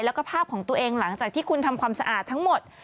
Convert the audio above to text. แล้วก็ภาพของตัวเองหลังจากที่คุณทำความสะอาดทั้งหมด